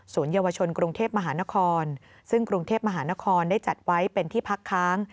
เยาวชนกรุงเทพมหานครซึ่งกรุงเทพมหานครได้จัดไว้เป็นที่พักค้าง